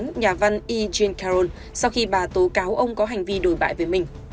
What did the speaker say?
giả văn e jean carroll sau khi bà tố cáo ông có hành vi đổi bại với mình